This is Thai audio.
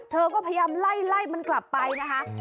เธอก็พยายามไล่มันกลับไปนะคะ